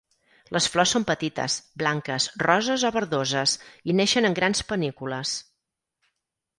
Les flors són petites, blanques, roses o verdoses i neixen en grans panícules.